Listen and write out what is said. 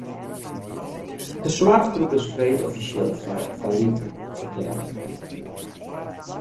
De soarchgroep is freed offisjeel fallyt ferklearre.